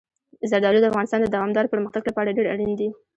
زردالو د افغانستان د دوامداره پرمختګ لپاره ډېر اړین دي.